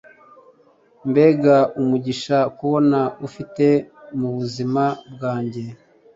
mbega umugisha kubona ufite mubuzima bwanjye